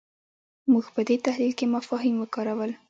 موږ په دې تحلیل کې مفاهیم وکارول.